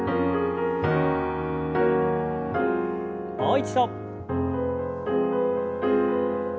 もう一度。